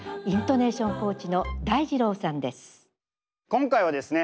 今回はですね